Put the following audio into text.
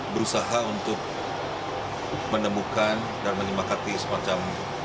berusaha untuk menemukan dan menyemakati sponsor sponsor yang berpengalaman